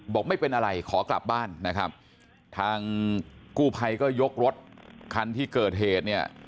บอกไม่เป็นอะไรขอกลับบ้านนะครับทางกู้ภัยก็ยกรถคันที่เกิดเหตุเนี่ย